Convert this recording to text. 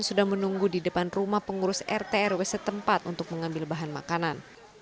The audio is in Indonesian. sudah menunggu di depan rumah pengurus rt rw setempat untuk mengambil bahan makanan